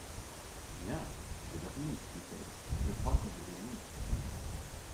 Bien, j’ai dormi, dit-elle, je crois que je vais mieux.